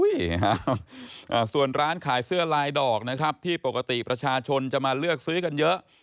ส่วนร้านขายเสื้อลายดอกนะครับที่ปกติประชาชนจะมาเลือกซื้อกันเยอะ